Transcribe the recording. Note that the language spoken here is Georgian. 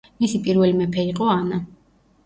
მისი პირველი მეფე იყო ანა.